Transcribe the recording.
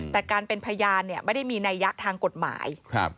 แต่การเป็นพยานไม่ได้มีนัยยะทางกฎหมาย